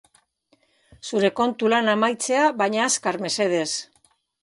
Zure kontu lana amaitzea baina azkar, mesedez.